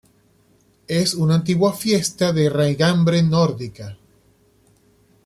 Es una antigua fiesta de raigambre nórdica.